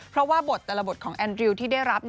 เพราะว่าบทแต่ละบทของแอนดริวที่ได้รับ